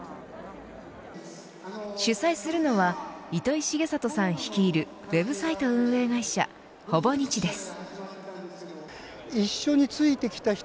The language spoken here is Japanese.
主催するのは糸井重里さん率いるウェブサイト運営会社ほぼ日です。